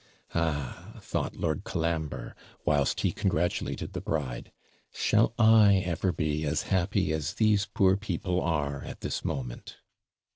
'Ah!' thought Lord Colambre, whilst he congratulated the bride, 'shall I ever be as happy as these poor people are at this moment?'